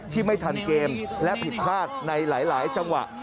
ที่ไม่ทันเกมและผิดพลาดในหลายจังหวะ